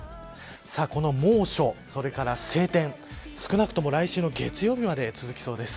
猛暑、それから晴天少なくとも、来週月曜日まで続きそうです。